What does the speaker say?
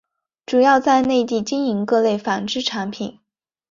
主要在内地经营各类纺织产品。